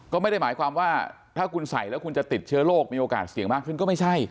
ก็ไม่ได้หมายความว่าถ้าคุณใส่แล้วคุณจะติดเชื้อโรคมีโอกาสเสี่ยงมากขึ้นก็ไม่ใช่